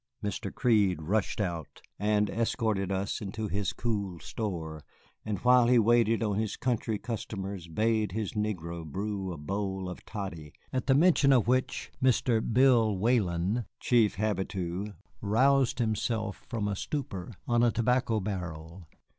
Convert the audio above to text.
Mr. Crede rushed out and escorted us into his cool store, and while he waited on his country customers bade his negro brew a bowl of toddy, at the mention of which Mr. Bill Whalen, chief habitué, roused himself from a stupor on a tobacco barrel.